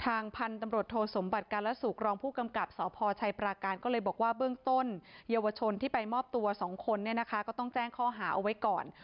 พันธุ์ตำรวจโทสมบัติการสุขรองผู้กำกับสพชัยปราการก็เลยบอกว่าเบื้องต้นเยาวชนที่ไปมอบตัว๒คนเนี่ยนะคะก็ต้องแจ้งข้อหาเอาไว้ก่อน